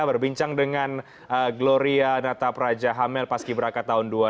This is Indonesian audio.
berbincang dengan gloria natapraja hamel paski beraka tahun dua ribu dua puluh